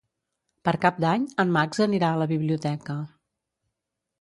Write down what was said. Per Cap d'Any en Max anirà a la biblioteca.